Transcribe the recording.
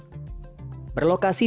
berlokasi di jakarta recycle center